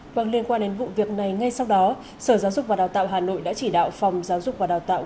vâng liên quan đến vụ việc này ngay sau đó sở giáo dục và đào tạo hà nội đã chỉ đạo phòng giáo dục và đào tạo